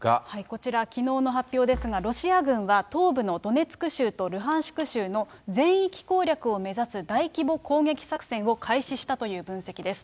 こちら、きのうの発表ですが、ロシア軍は東部のドネツク州とルハンシク州の全域攻略を目指す大規模攻撃作戦を開始したという分析です。